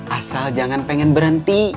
asal jangan pengen berhenti